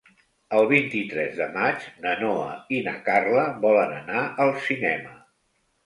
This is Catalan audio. El vint-i-tres de maig na Noa i na Carla volen anar al cinema.